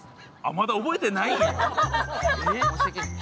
まだ覚えてないんかい！